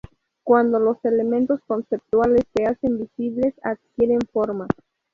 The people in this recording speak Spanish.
Cuando los elementos conceptuales se hacen visibles, adquieren forma.